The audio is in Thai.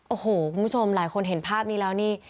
โอ้โหคุณผู้ชมหลายคนเห็นภาพนี้แล้วนี่